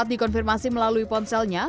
saat dikonfirmasi melalui ponselnya